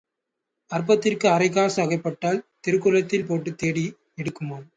அற்பத்திற்கு அரைக்காசு அகப்பட்டால் திருக்குளத்தில் போட்டுத் தேடி எடுக்குமாம்.